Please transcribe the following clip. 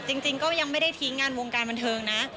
จริงก็ยังไม่ได้ทิ้งงานวงการบันเทิงนะ